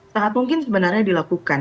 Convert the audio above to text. sangat mungkin sebenarnya dilakukan